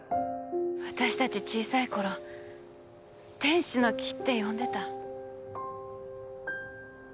私たち小さい頃天使の木って呼んでた。